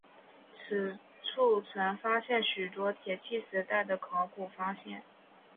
此处曾发现许多铁器时代的考古发现。